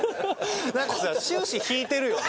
なんかさ終始引いてるよね